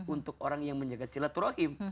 untuk orang yang menjaga silaturahim